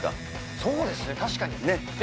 そうですね、確かに。